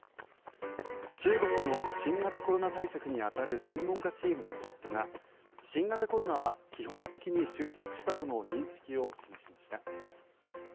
中国の新型コロナ対策に当たる専門家チームのトップが新型コロナは基本的に収束したとの認識を示しました。